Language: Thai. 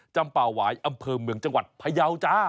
จำป่าหวายอำเภอเมืองจังหวัดพยาวจ้า